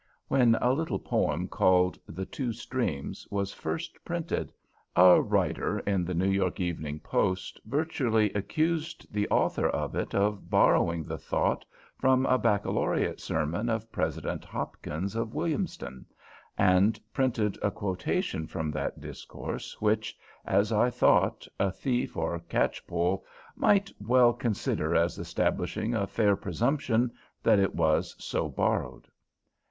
When a little poem called "The Two Streams" was first printed, a writer in the New York "Evening Post" virtually accused the author of it of borrowing the thought from a baccalaureate sermon of President Hopkins of Williamstown, and printed a quotation from that discourse, which, as I thought, a thief or catch poll might well consider as establishing a fair presumption that it was so borrowed.